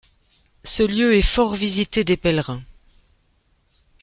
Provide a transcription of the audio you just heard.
Ce lieu est fort visité des pèlerins.